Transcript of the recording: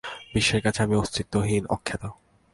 বিশ্বের কাছে আমি অস্তিত্বহীন অখ্যাত।